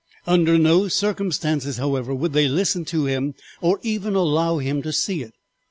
Under no circumstances, however, would they listen to him or even allow him to see it.